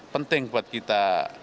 penting buat kita